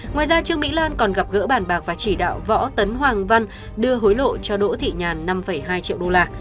ngoài ra trương mỹ lan còn gặp gỡ bàn bạc và chỉ đạo võ tấn hoàng văn đưa hối lộ cho đỗ thị nhàn năm hai triệu đô la